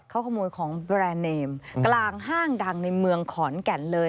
เขาขโมยของแบรนด์เนมกลางห้างดังในเมืองขอนแก่นเลย